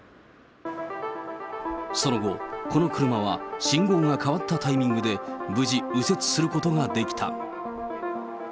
その後、この車は信号が変わったタイミングで無事、右折することができた。